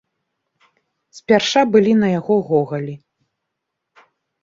Спярша былі на яго гогалі.